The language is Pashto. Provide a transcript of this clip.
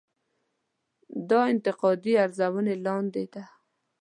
دا انتقادي ارزونې لاندې ده.